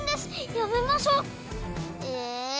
やめましょう！え。